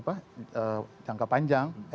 nanti juga ada rencana apa